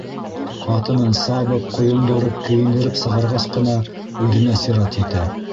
Ҡатынын сабып, ҡойондороп, кейендереп сығарғас ҡына үҙенә сират етә.